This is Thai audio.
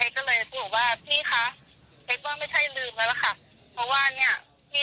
เอกก็เลยว่านี่คะเอกว่าไม่ใช่แล้วละค่ะเพราะว่าเนี่ยนี่